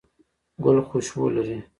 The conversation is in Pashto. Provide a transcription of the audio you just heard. ګل خوشبو لري